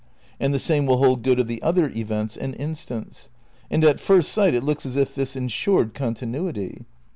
And the same will hold good of the other events and instants. And at first sight it looks as if this ensured continuity.